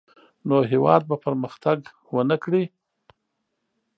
نو هېواد به پرمختګ ونه کړي.